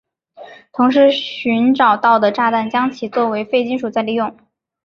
同时寻找到的炸弹将其作为废金属再利用。